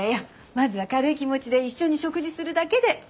まずは軽い気持ちで一緒に食事するだけで。